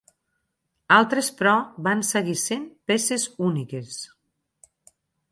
Altres, però, van seguir sent peces úniques.